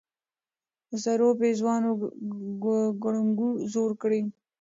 د سرو پېزوانه ګړنګو زوړ کړې